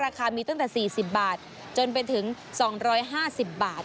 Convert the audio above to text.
ราคามีตั้งแต่๔๐บาทจนไปถึง๒๕๐บาท